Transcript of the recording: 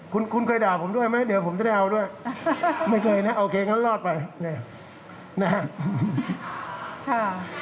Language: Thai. คุณคุณเคยด่าผมด้วยไหมเดี๋ยวผมจะได้เอาด้วยไม่เคยนะโอเคงั้นรอดไปเนี่ยนะฮะ